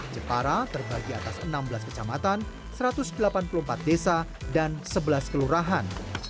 jepara terbagi atas enam belas kecamatan satu ratus delapan puluh empat desa dan sebelas kelurahan